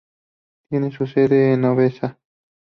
Tiene su sede en Odessa.